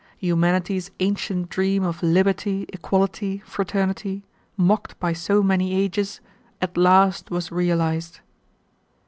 Humanity's ancient dream of liberty, equality, fraternity, mocked by so many ages, at last was realized.